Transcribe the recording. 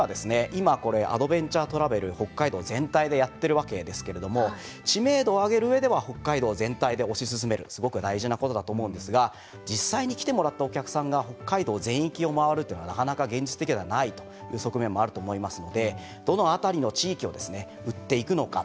今これアドベンチャートラベル北海道全体でやってるわけですけれども知名度を上げる上では北海道全体で推し進めるすごく大事なことだと思うんですが実際に来てもらったお客さんが北海道全域を回るっていうのはなかなか現実的ではないという側面もあると思いますのでどの辺りの地域をですね売っていくのかと。